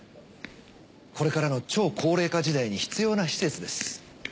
これからの超高齢化時代に必要な施設です。